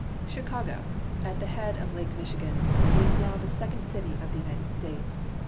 CHICAGO, at the head of Lake Michigan, is now the second city of the United States.